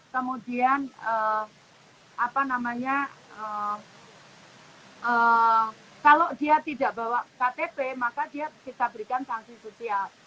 kemudian kalau dia tidak bawa ktp maka dia kita berikan sanksi sosial